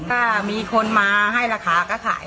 ก็มีคนมาให้ราคาก็ขาย